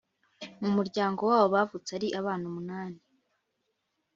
Mumuryango wabo bavutse ari abana umunani